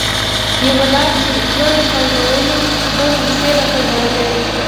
یوه لار چې لویو پانګوالو به پیسې راټولولې